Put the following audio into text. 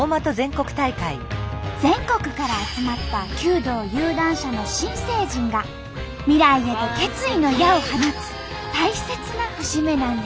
全国から集まった弓道有段者の新成人が未来へと決意の矢を放つ大切な節目なんです。